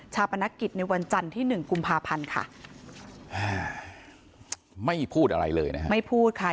ชาปนักกิจในวันจันทร์ที่๑กุมภาพันธ์ไม่พูดอะไรเลยนะไม่พูดค่ะ